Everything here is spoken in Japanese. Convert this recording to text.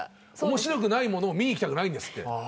面白くないものを見に行きたくないんですって。